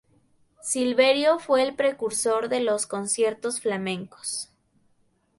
Silverio fue el precursor de los conciertos flamencos.